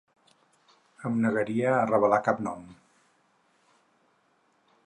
Em negaria a revelar cap nom.